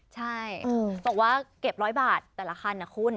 ใช่บอกว่าเก็บ๑๐๐บาทแต่ละคันนะคุณ